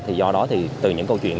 thì do đó thì từ những câu chuyện